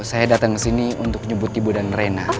saya datang ke sini untuk nyebut ibu dan rena